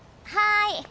はい。